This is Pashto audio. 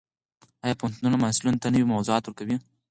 ایا پوهنتونونه محصلانو ته نوي موضوعات ورکوي؟